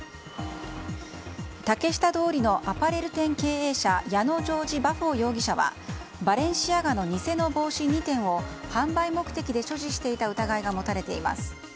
竹下通りのアパレル店経営者矢野城侍バフォー容疑者はバレンシアガの偽の帽子２点を販売目的で所持していた疑いが持たれています。